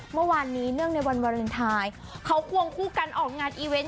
เมื่อวานนี้เนื่องในวันวาเลนไทยเขาควงคู่กันออกงานอีเวนต์